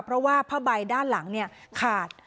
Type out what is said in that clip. เพราะว่าผ้าใบด้านหลังขาด